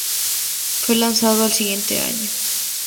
Fue lanzado al siguiente año.